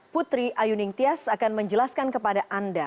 putri ayuning tias akan menjelaskan kepada anda